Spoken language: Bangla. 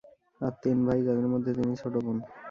তার তিন ভাই ।যাদের মধ্যে তিনি ছোট বোন।